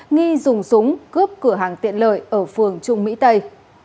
nghi dùng súng cướp cửa hàng tiện lợi ở phường trung mỹ tây